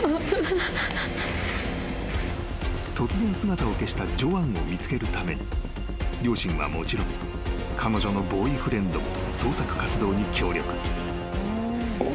［突然姿を消したジョアンを見つけるために両親はもちろん彼女のボーイフレンドも捜索活動に協力］